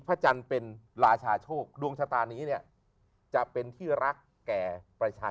พระจันทร์เป็นราชาโชคดวงชะตานี้เนี่ยจะเป็นที่รักแก่ประชาชน